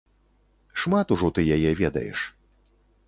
Шмат ужо ты яе ведаеш.